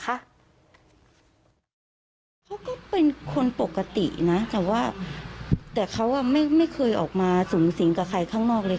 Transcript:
เขาก็เป็นคนปกตินะแต่ว่าแต่เขาไม่เคยออกมาสูงสิงกับใครข้างนอกเลย